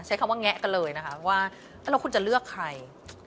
ใช้คำว่าแงะกันเลยนะคะว่าแล้วคุณจะเลือกใคร